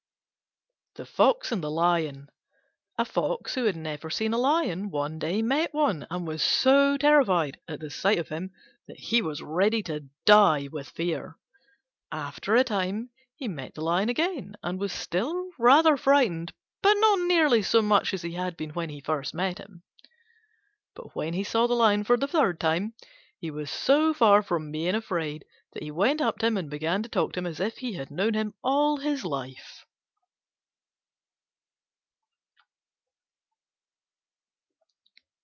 THE FOX AND THE LION A Fox who had never seen a Lion one day met one, and was so terrified at the sight of him that he was ready to die with fear. After a time he met him again, and was still rather frightened, but not nearly so much as he had been when he met him first. But when he saw him for the third time he was so far from being afraid that he went up to him and began to talk to him as if he had known him all his life.